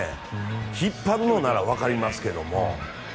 引っ張るなら分かりますけども。